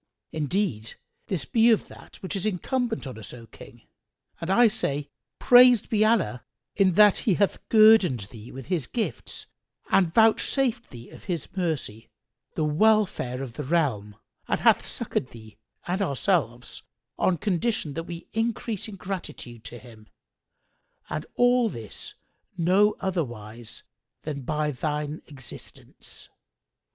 Indeed, this be of that which is incumbent on us, O King, and I say, Praised be Allah in that He hath guerdoned thee with His gifts and vouchsafed thee of His mercy, the welfare of the realm; and hath succoured thee and ourselves, on condition that we increase in gratitude to Him; and all this no otherwise than by thine existence!